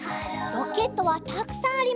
ロケットはたくさんあります。